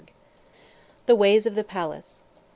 THE WAYS OF THE PALACE.